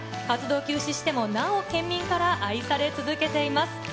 活動休止してもなお県民から愛され続けています。